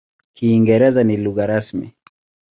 Kiingereza ni lugha rasmi.